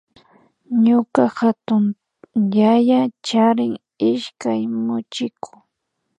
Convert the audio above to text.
Ñuka hatunyaya charin ishkay muchiku